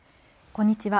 こんにちは。